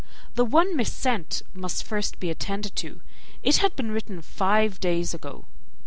The one mis sent must be first attended to; it had been written five days ago.